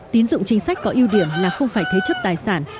tín dụng chính sách có ưu điểm là không phải thế chấp tài sản